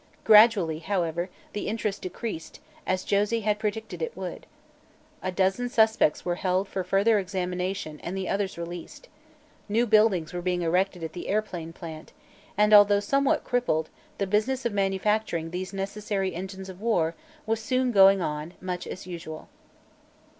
Gradually, however, the interest decreased, as Josie had predicted it would. A half dozen suspects were held for further examination and the others released. New buildings were being erected at the airplane plant, and although somewhat crippled, the business of manufacturing these necessary engines of war was soon going on much as usual.